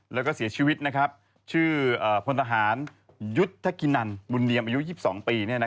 แล้วก็เสียชีวิตชื่อพลทหารยุทธกินันบุญเนียมอายุ๒๒ปี